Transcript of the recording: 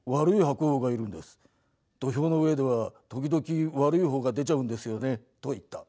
土俵の上では時々悪い方が出ちゃうんですよね」と言った。